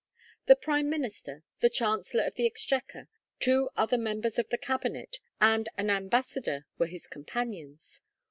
The prime minister, the chancellor of the exchequer, two other members of the cabinet, and an ambassador were his companions.